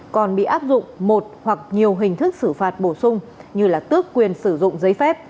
còn bị áp dụng một hoặc nhiều hình thức xử phạt bổ sung như là tước quyền sử dụng giấy phép